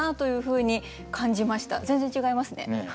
全然違いますね。